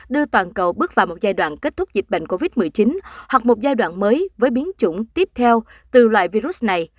đưa toàn cầu bước vào một giai đoạn kết thúc dịch bệnh covid một mươi chín hoặc một giai đoạn mới với biến chủng tiếp theo từ loại virus này